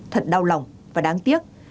thật đau lòng và đáng tiếc